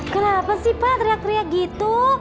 kenapa sih pak teriak teriak gitu